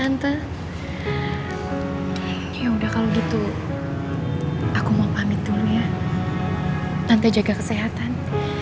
nanti jaga kesehatan